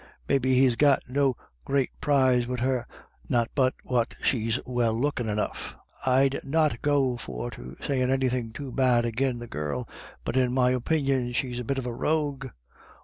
Maybe he's got no great prize wid her, not but what she's well lookin' enough. I'd not go for to 198 IRISH IDYLLS. say anythin* too bad agin the girl, but in my opinion she's a bit of a rogue.